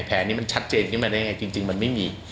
แผลนี้มันชัดเจนขึ้นมาได้ยังไงจริงมันไม่มี